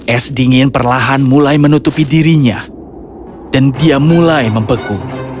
es dingin perlahan mulai menutupi dirinya dan dia mulai membeku